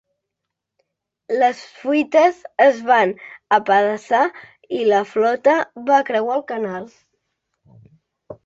Les fuites es van apedaçar i la flota va creuar el canal.